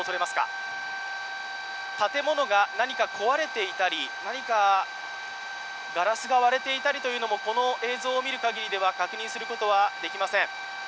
建物が何か壊れていたり、何かガラスが割れていたりというのもこの映像を見る限りでは確認することはできません。